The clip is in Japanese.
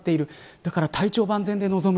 だから、体調万全で臨む。